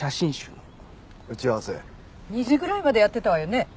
２時ぐらいまでやってたわよね？